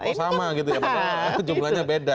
oh sama gitu ya